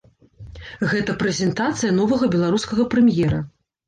Гэта прэзентацыя новага беларускага прэм'ера.